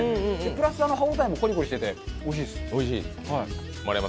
プラス歯応えもコリコリしてておいしいです。